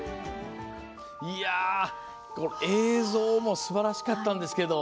映像もすばらしかったんですけど